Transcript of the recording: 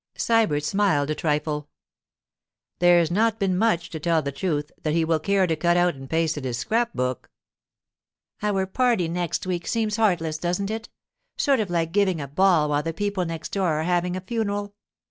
Sybert smiled a trifle. 'There's not been much, to tell the truth, that he will care to cut out and paste in his scrap book.' 'Our party, next week, seems heartless, doesn't it—sort of like giving a ball while the people next door are having a funeral?